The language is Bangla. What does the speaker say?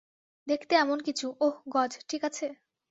দেখতে এমন কিছু, ওহ, গজ, ঠিক আছে?